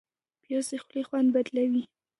پیاز د خولې خوند بدلوي